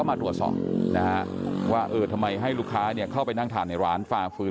มาตรวจสอบทำไมให้ลูกค้าเข้าไปนั่งถ่านในร้านฝ่าฝืน